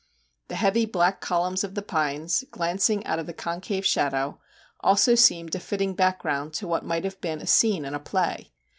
The heavy black columns of the pines, glancing out of the concave shadow, also seemed a fitting background to what might have been a scene in a play.